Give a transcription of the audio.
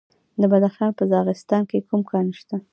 د بدخشان په راغستان کې کوم کان دی؟